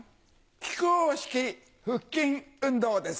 木久扇式腹筋運動です。